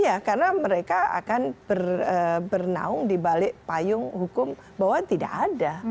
iya karena mereka akan bernaung dibalik payung hukum bahwa tidak ada